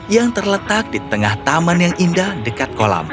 yang terletak di tengah taman yang indah dekat kolam